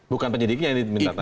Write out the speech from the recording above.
bukan penyidiknya yang diminta tanya